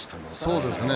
そうですね。